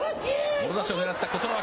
もろ差しを狙った琴ノ若。